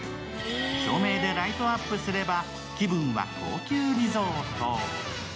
照明でライトアップすれば、気分は高級リゾート。